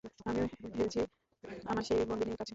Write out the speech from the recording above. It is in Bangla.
আমিও হেরেছি আমার সেই বন্দিনীর কাছে।